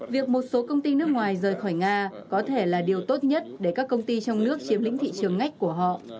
việc một số công ty nước ngoài rời khỏi nga có thể là điều tốt nhất để các công ty trong nước chiếm lĩnh thị trường ngách của họ